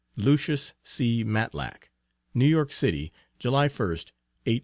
LUCIUS C. MATLACK. NEW YORK CITY, July 1st, 1849.